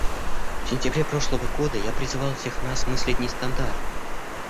В сентябре прошлого года я призывал всех нас мыслить нестандартно.